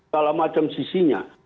salah macam sisinya